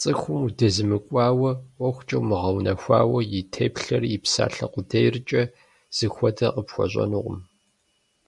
ЦӀыхум удыземыкӀуауэ, ӀуэхукӀэ умыгъэунэхуауэ, и теплъэрэ и псалъэ къудейрэкӀэ зыхуэдэр къыпхуэщӀэнукъым.